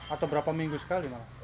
atau berapa minggu sekali